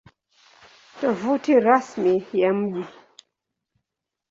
Tovuti Rasmi ya Mji